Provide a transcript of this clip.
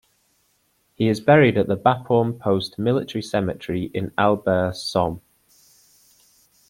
He is buried at the Bapaume Post Military Cemetery in Albert, Somme.